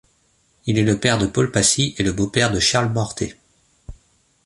Il est le père de Paul Passy et le beau-père de Charles Mortet.